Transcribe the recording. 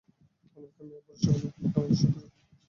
আমেরিকার মেয়ে পুরুষ সকলেই খুব ঢঙসই পোষাক পরে।